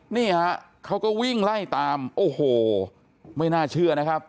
นี่ฮะเขาก็วิ่งไล่ตามโอ้โหไม่น่าเชื่อนะครับ